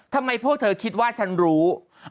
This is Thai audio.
ทำไมพวกเธอคิดว่าฉันรู้